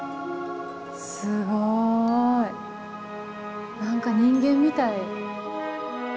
すごい。何か人間みたい。